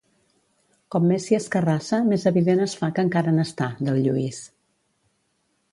Com més s'hi escarrassa més evident es fa que encara n'està, del Lluís.